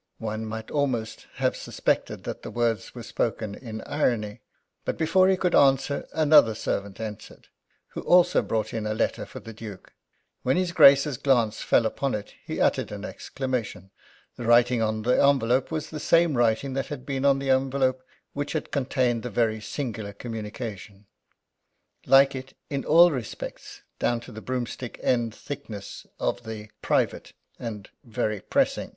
One might almost have suspected that the words were spoken in irony. But before he could answer another servant entered, who also brought a letter for the Duke. When his Grace's glance fell on it he uttered an exclamation. The writing on the envelope was the same writing that had been on the envelope which had contained the very singular communication like it in all respects down to the broomstick end thickness of the "Private!" and "Very pressing!!!"